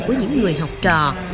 của những người học trò